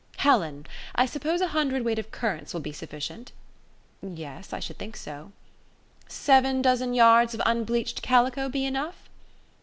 "Helen, I suppose a hundredweight of currants will be sufficient?" "Yes; I should think so." "Seven dozen yards of unbleached calico be enough?"